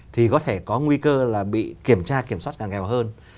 thì có thể có nguy cơ là bị kiểm tra kiểm soát càng nghèo hơn